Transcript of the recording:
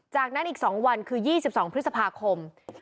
จากนั้นอีก๒วันคือ๒๒พฤษภาคม